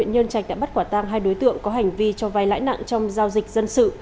nhân trạch đã bắt quả tang hai đối tượng có hành vi cho vai lãi nặng trong giao dịch dân sự